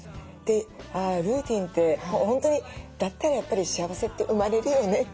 で「あルーティンって本当にだったらやっぱり幸せって生まれるよね」